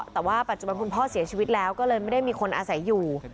แต่ว่าปัจจุบันคุณพ่อเสียชีวิตแล้วก็เลยไม่ได้มีคนอาศัยอยู่